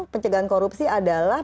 pencegahan korupsi adalah